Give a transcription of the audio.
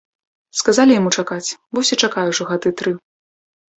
Сказалі яму чакаць, вось і чакае ўжо гады тры.